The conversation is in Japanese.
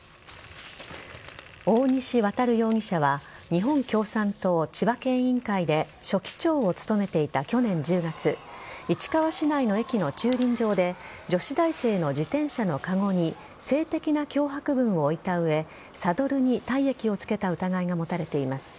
大西航容疑者は日本共産党千葉県委員会で書記長を務めていた去年１０月市川市内の駅の駐輪場で女子大生の自転車のかごに性的な脅迫文を置いた上サドルに体液をつけた疑いが持たれています。